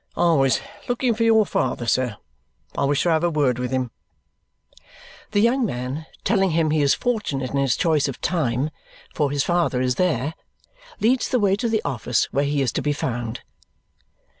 "I was looking for your father, sir. I wish to have a word with him." The young man, telling him he is fortunate in his choice of a time, for his father is there, leads the way to the office where he is to be found.